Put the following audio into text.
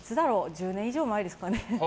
１０年以上前ですかね。